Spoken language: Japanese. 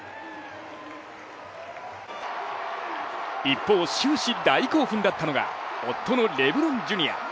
一方、終始大興奮だったのが夫のレブロン・ジュニア。